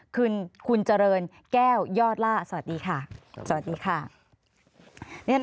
คุณเจริญแก้วยอดล่าสวัสดีค่ะสวัสดีค่ะ